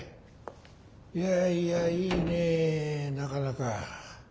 いやいやいいねなかなか。